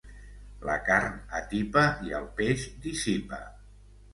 La carn atipa i el peix dissipa.